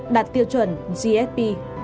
đạt tiêu chuẩn gfp